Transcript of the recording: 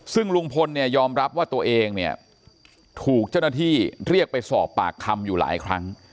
ซึ่งลุงพลเนี่ยยอมรับว่าตัวเองเนี่ยถูกเจ้าหน้าที่เรียกไปสอบปากคำอยู่หลายครั้ง